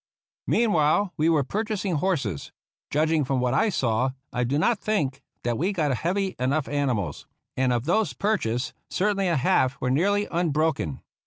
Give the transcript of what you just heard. Meanwhile we were purchasing horses. Judg ing from what I saw I do not think that we got heavy enough animals, and of those purchased certainly a half were nearly unbroken.